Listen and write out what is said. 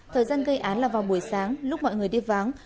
thời gian gây án là vào buổi sáng lúc mọi người đi váng